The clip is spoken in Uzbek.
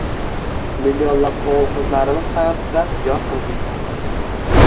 Millionlab oʻgʻil-qizlarimiz hayotida yorqin iz qoldirdi